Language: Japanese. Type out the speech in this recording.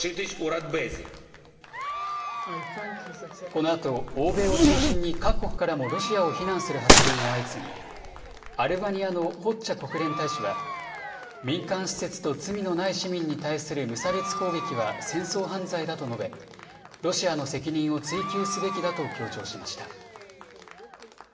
このあと欧米を中心に各国からもロシアを非難する発言が相次ぎアルバニアのホッジャ国連大使は、民間施設と罪のない市民に対する無差別攻撃は戦争犯罪だと述べ、ロシアの責任を追及すべきだと強調しました。